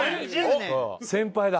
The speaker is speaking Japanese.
先輩だ。